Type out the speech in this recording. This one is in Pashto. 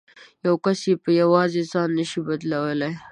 یو کس یې په یوازې ځان نه شي بدلولای.